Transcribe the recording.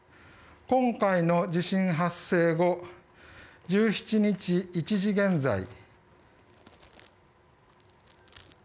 今回の地震発生後１７日、１時現在。